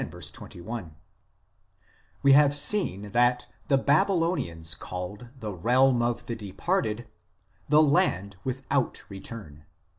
l We have seen that the Babylonians called the realm of the departed the " land without return."